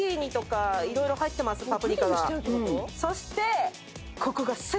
そして。